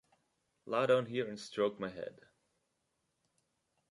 Lie down here and stroke my head.